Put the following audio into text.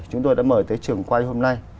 chúng tôi đã mời tới trường quay hôm nay